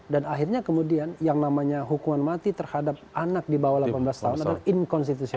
dan akhirnya kemudian yang namanya hukuman mati terhadap anak di bawah delapan belas tahun adalah inkonstitusional